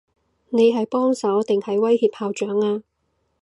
你係幫手，定係威脅校長啊？